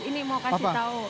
ini mau kasih tau